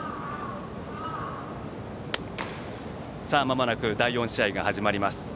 まもなく第４試合が始まります。